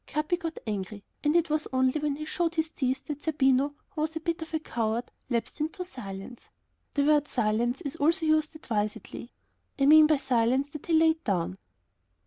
Capi got angry, and it was only when he showed his teeth that Zerbino, who was a bit of a coward, lapsed into silence. The word "silence" is also used advisedly. I mean by silence that he laid down.